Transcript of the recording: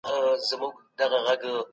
هر څوک چي له ښار دباندې وي کوچی نه دی.